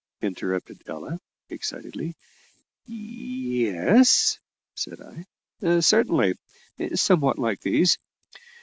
interrupted Ella excitedly. "Ye es," said I, "certainly; somewhat like these.